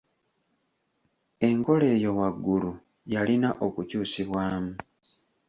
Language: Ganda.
Enkola eyo waggulu yalina okukyusibwamu.